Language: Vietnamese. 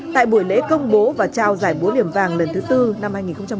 tại buổi lễ công bố và trao giải búa liềm vàng lần thứ tư năm hai nghìn hai mươi